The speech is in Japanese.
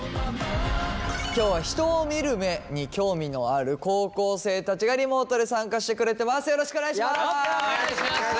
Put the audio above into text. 今日は人を見る目に興味のある高校生たちがリモートで参加してくれてます。